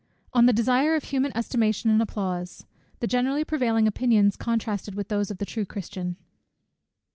_On the Desire of human Estimation and Applause The generally prevailing Opinions contrasted with those of the true Christian.